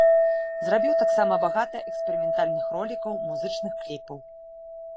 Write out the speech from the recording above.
Зрабіў таксама багата эксперыментальных ролікаў, музычных кліпаў.